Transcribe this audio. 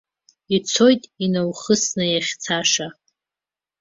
Ицоит инаухысны иахьцаша.